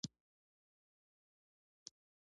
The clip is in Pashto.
څنګه کولی شم ترکیې ته لاړ شم